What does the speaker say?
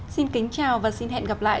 xin kính chào và hẹn gặp lại